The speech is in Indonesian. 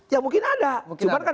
ya mungkin ada